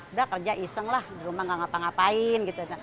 udah kerja iseng lah di rumah gak ngapa ngapain gitu